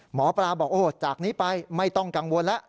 หมอปลาบอกโอ้จากนี้ไปไม่ต้องกังวลแล้ว